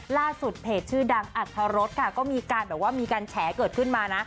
ล่าสุดเพจชื่อดังอัฐรสก็มีการแบบว่ามีการแฉกเกิดขึ้นมานะ